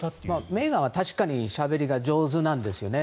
メーガンは確かにしゃべりが上手なんですよね。